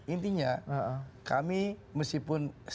intinya kami meskipun sejarah